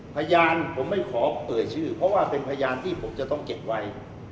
พยานผมไม่ขอเอ่ยชื่อเพราะว่าเป็นพยานที่ผมจะต้องเก็บไว้